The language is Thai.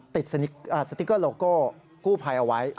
ติดสติ๊กเกอร์โลโก้กู้ภัยเอาไว้